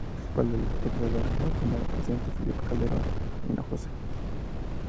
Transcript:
La demanda principal del secuestrador era hablar con el presidente Felipe Calderón Hinojosa.